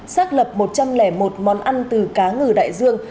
xác lập một trăm linh một món ăn từ cá ngừ đại dương